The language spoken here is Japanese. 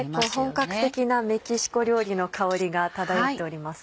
本格的なメキシコ料理の香りが漂っております。